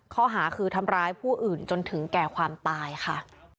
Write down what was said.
ข้อหาคือทำร้ายผู้อื่นจนถึงแก่ความตายค่ะ